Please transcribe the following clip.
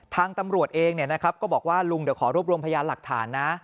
ทางตำรวจเองก็บอกว่าลุงเดี๋ยวขอรวบรวมพยานหลักฐานนะ